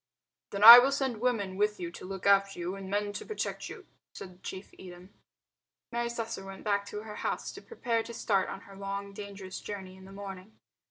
"Then I will send women with you to look after you, and men to protect you," said Chief Edem. Mary Slessor went back to her house to prepare to start on her long dangerous journey in the morning.